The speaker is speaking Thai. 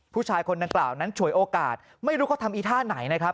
ผู้ชายคนดังกล่าวนั้นฉวยโอกาสไม่รู้เขาทำอีท่าไหนนะครับ